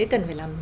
cần phải làm